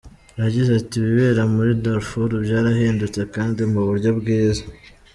Yagize ati “Ibibera muri Darfour byarahindutse kandi mu buryo bwiza.